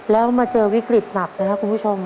แล้วมาเจอวิกฤตหนักนะครับคุณผู้ชม